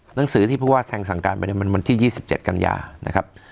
หนังสือที่ผู้ว่าแทงสั่งการไปเนี่ยมันวันที่๒๗กันยานะครับ